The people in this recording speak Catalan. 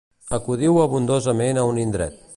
Acudiu abundosament a un indret.